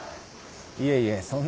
いえいえそんな。